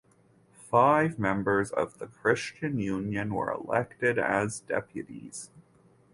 Five members of the Christian Union were elected as deputies.